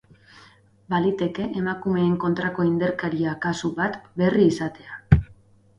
Baliteke emakumeen kontrako indarkeria kasu bat berri izatea.